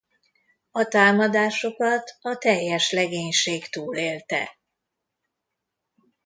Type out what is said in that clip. A támadásokat a teljes legénység túlélte.